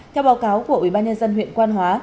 theo báo cáo của ubnd huyện quan hóa